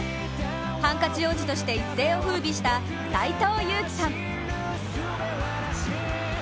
ハンカチ王子として一世をふうびした斎藤佑樹さん。